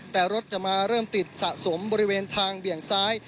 แต่รถจะมาเริ่มติดสะสมบริเวณทางเบี่ยงซ้าย